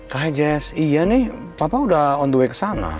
kak jess iya nih papa udah on the way kesana